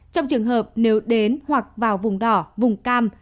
trong trường hợp nếu đến hoặc vào vùng đỏ vùng cam